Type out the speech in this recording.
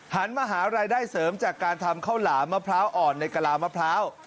หันมาหารายได้เสริมจากการทำข้าวหลามมะพร้าวอ่อนในกะลามะพร้าว